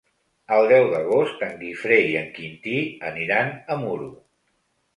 El deu d'agost en Guifré i en Quintí aniran a Muro.